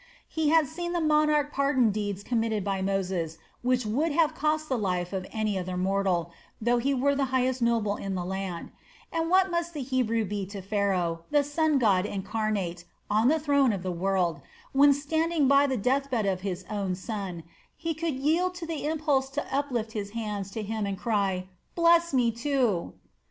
He had seen the monarch pardon deeds committed by Moses which would have cost the life of any other mortal, though he were the highest noble in the land and what must the Hebrew be to Pharaoh, the sun god incarnate on the throne of the world, when standing by the death bed of his own son, he could yield to the impulse to uplift his hands to him and cry "Bless me too!"